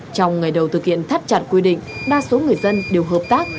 trong ngày đầu thực hiện thắt chặt quy định đa số người dân đều hợp tác